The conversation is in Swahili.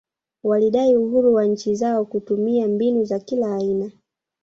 Walidai uhuru wa nchi zao kutumia mbinu za kila aina